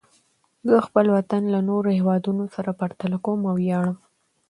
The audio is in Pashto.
زه خپل وطن له نورو هېوادونو سره پرتله کوم او ویاړم.